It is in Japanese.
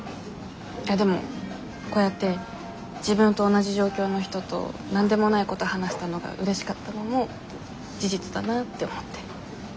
でもこうやって自分と同じ状況の人と何でもないこと話せたのがうれしかったのも事実だなぁって思って。